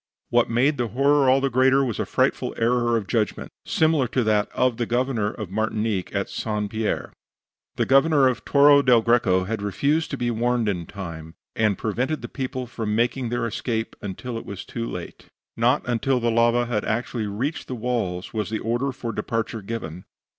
What made the horror all the greater was a frightful error of judgment, similar to that of the Governor of Martinique at St. Pierre. The Governor of Torre del Greco had refused to be warned in time, and prevented the people from making their escape until it was too late. Not until the lava had actually reached the walls was the order for departure given.